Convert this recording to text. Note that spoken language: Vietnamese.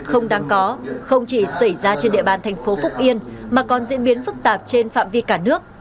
không đáng có không chỉ xảy ra trên địa bàn thành phố phúc yên mà còn diễn biến phức tạp trên phạm vi cả nước